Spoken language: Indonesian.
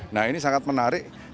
nah ini sangat menarik